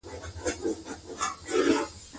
وخت د سرو زرو په څېر قیمت لري.